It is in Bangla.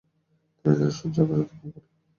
ধীরে ধীরে সূর্য আকাশ অতিক্রম করে।